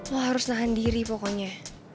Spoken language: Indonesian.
wah harus nahan diri pokoknya